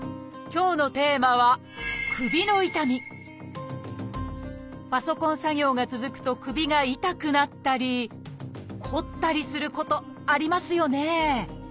今日のテーマはパソコン作業が続くと首が痛くなったり凝ったりすることありますよね？